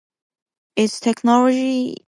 Is technology...